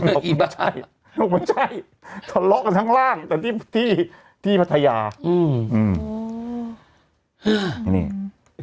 ครับหรือหรือมันใช่ทะเลาะกันทั้งร่างแต่ที่ที่พัทยาอืม